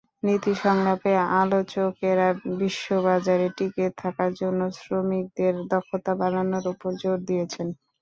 নীতি সংলাপে আলোচকেরা বিশ্ববাজারে টিকে থাকার জন্য শ্রমিকদের দক্ষতা বাড়ানোর ওপর জোর দিয়েছেন।